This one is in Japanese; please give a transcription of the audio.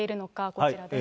こちらです。